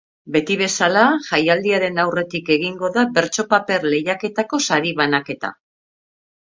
Beti bezala, jaialdiaren aurretik egingo da bertso-paper lehiaketako sari-banaketa.